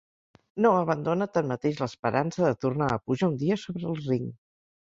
No abandona tanmateix l'esperança de tornar a pujar un dia sobre el ring.